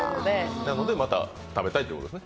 なのでまた食べたいということですね？